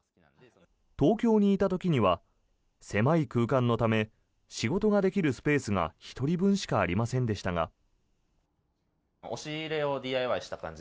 東京にいた時には狭い空間のため仕事ができるスペースが１人分しかありませんでしたが。